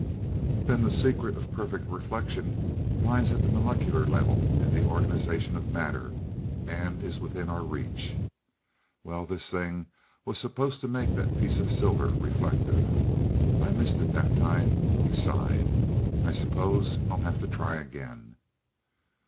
Then the secret of perfect reflection lies at a molecular level in the organization of matter, and is within our reach. Well this thing was supposed to make that piece of silver reflective. I missed it that time." He sighed. "I suppose I'll have to try again."